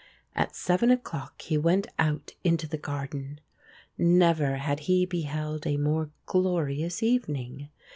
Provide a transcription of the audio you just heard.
At seven o'clock he went out into the garden. Never had he beheld a more glorious evening.